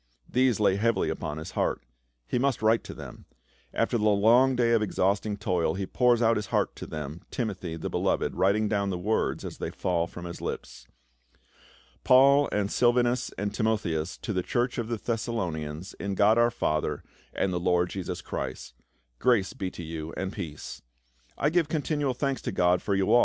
These lay heavily upon his heart ; he must write to them. After the long day of exhausting toil, he pours out his heart to them, Timothy, the beloved, writing down the words as they fall from his lips. *" Paul and Silvanus and Timotheus, to the church of the Thessalonians, in God our Father, and the Lord Jesus Christ : Grace be to you and peace. " I give continual thanks to God for you all, and * I.